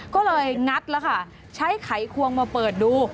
ก็เลยงัดแล้วค่ะใช้ไขควงมาเปิดดู